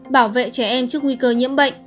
bảo vệ trẻ em trước nguy cơ nhiễm bệnh